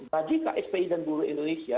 bagi kspi dan buruh indonesia